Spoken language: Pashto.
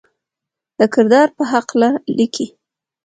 د کردار پۀ حقله ليکي: